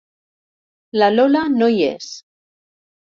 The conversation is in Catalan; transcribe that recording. La Lola no hi és.